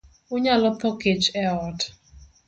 Unyalo tho kech e ot.